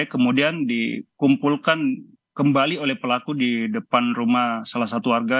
kemudian dikumpulkan kembali oleh pelaku di depan rumah salah satu warga